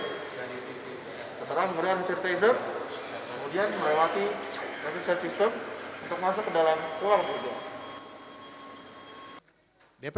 setelah menggunakan sanitizer kemudian melewati emergency system untuk masuk ke dalam ruang kerja